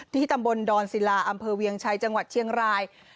ตำบลดอนศิลาอำเภอเวียงชัยจังหวัดเชียงราย